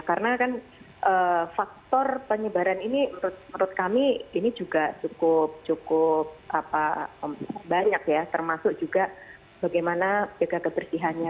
karena kan faktor penyebaran ini menurut kami ini juga cukup banyak ya termasuk juga bagaimana juga kebersihannya